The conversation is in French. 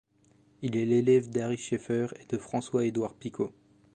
Il est l'élève d'Ary Scheffer et de François-Édouard Picot.